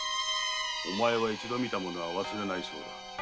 お前は一度見たものは忘れないそうだ。